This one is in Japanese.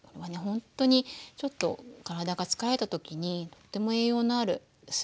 ほんとにちょっと体が疲れた時にとても栄養のあるスープです。